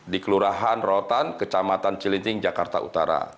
di kelurahan rorotan kecamatan cilinting jakarta utara